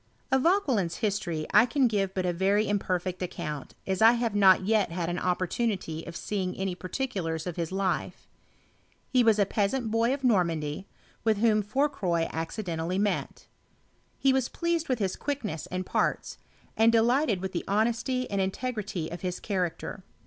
Of Vauquelin's history I can give but a very im perfect account, as I have not yet had an opportu nity of seeing any particulars of his life. He was a peasant boy of Normandy, with whom Fourcroy ac cidentally met. He was pleased with his quickness and parts, and delighted with the honesty and in tegrity of his character.